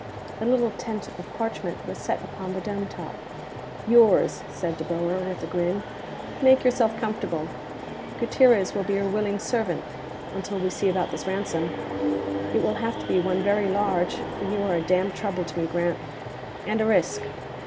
A little tent of parchment was set upon the dome top. "Yours," said De Boer, with a grin. "Make yourself comfortable. Gutierrez will be your willing servant, until we see about this ransom. It will have to be one very large, for you are a damn trouble to me, Grant. And a risk.